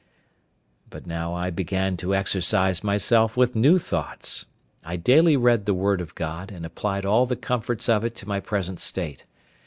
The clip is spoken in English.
But now I began to exercise myself with new thoughts: I daily read the word of God, and applied all the comforts of it to my present state.